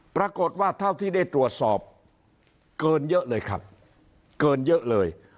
ปรากฏว่าเท่าที่ได้ตรวจสอบเกินเยอะเลยครับเกินเยอะเลย